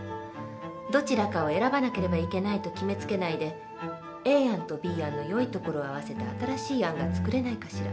どちらかを選ばなければいけないと決めつけないでＡ案とＢ案の良いところを合わせた新しい案が作れないかしら。